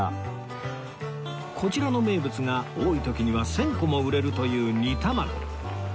こちらの名物が多い時には１０００個も売れるという煮玉子